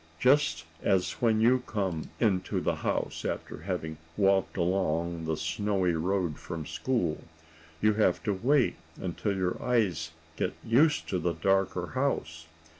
Just as when you come into the house, after having walked along the snowy road from school, you have to wait until your eyes get used to the darker house.